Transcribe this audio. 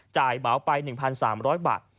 เหมาไป๑๓๐๐บาท